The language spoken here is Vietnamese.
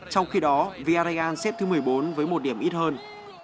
trong khi đó varean xếp thứ một mươi bốn với một điểm ít hơn